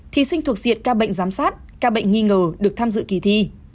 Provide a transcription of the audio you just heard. thí sinh thuộc diện ca bệnh giám sát ca bệnh nghi ngờ được tham dự kỳ thi